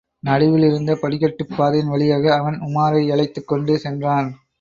நடுவில் இருந்த படிக்கட்டுப் பாதையின் வழியாக அவன் உமாரை யழைத்துக் கொண்டு சென்றான்.